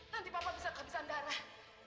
nanti bapak bisa kehabisan darah